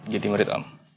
jadi murid om